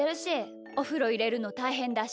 おふろいれるのたいへんだし。